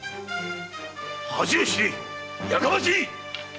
恥を知れい！やかましい！